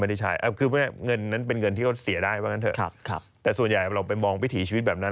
แต่ส่วนใหญ่เราไปมองวิถีชีวิตแบบนั้น